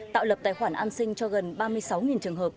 tạo lập tài khoản an sinh cho gần ba mươi sáu trường hợp